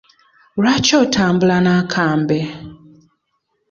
Lwaki otambula n'akambe?